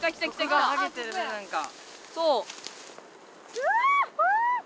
うわ！